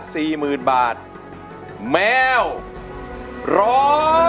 ทั้งในเรื่องของการทำงานเคยทำนานแล้วเกิดปัญหาน้ำน้อย